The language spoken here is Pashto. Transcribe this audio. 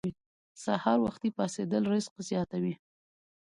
سحر وختي پاڅیدل رزق زیاتوي.